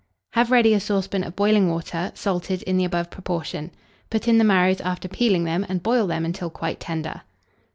Have ready a saucepan of boiling water, salted in the above proportion; put in the marrows after peeling them, and boil them until quite tender.